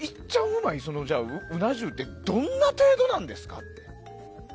うまい、うな重ってどんな程度なんですか？